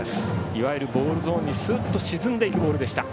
いわゆるボールゾーンにすっと沈んでいくボールでした。